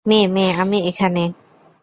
মে, মে, আমি এখানে।